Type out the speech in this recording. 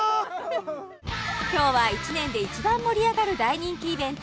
今日は一年で一番盛り上がる大人気イベント